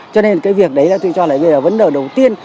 cho nên cái việc đấy là tôi cho là vấn đề đầu tiên